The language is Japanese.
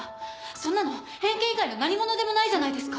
そんなの偏見以外の何ものでもないじゃないですか。